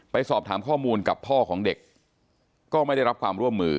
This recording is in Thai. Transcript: สอบถามข้อมูลกับพ่อของเด็กก็ไม่ได้รับความร่วมมือ